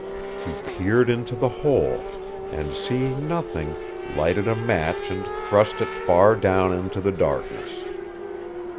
He peered into the hole and, seeing nothing, lighted a match and thrust it far down into the darkness.